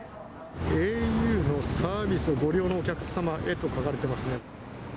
ａｕのサービスをご利用のお客様へと書かれていますね。